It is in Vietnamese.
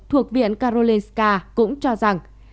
thuộc viện karolinska cũng cho rằng